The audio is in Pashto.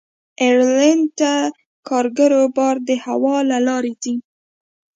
ایرلنډ ته کارګو بار د هوا له لارې ځي.